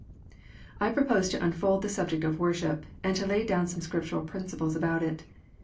I propose to unfold the subject of worship, and to lay down some Scriptural principles about it.